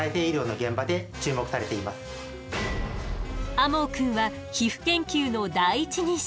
天羽くんは皮膚研究の第一人者。